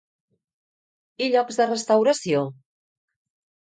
I llocs de restauració?